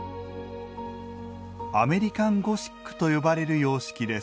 アメリカン・ゴシックと呼ばれる様式です。